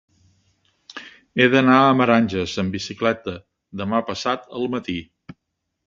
He d'anar a Meranges amb bicicleta demà passat al matí.